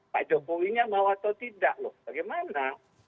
pak jokowi nya mau atau tidak loh bagaimana